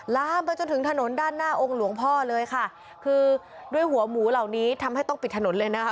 ลามไปจนถึงถนนด้านหน้าองค์หลวงพ่อเลยค่ะคือด้วยหัวหมูเหล่านี้ทำให้ต้องปิดถนนเลยนะคะ